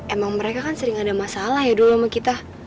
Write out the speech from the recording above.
emang mereka kan sering ada masalah ya dulu sama kita